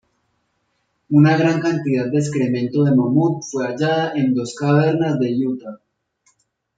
Una gran cantidad de excremento de mamut fue hallada en dos cavernas de Utah.